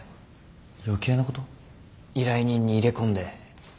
依頼人に入れ込んで。